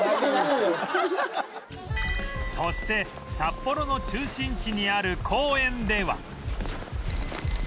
そして札幌の中心地にある公園では